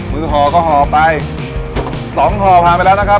มือหอว์ก็หอว์ไปสองหอว์ผ่านไปแล้วนะครับ